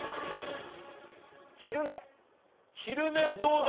昼寝どうだ？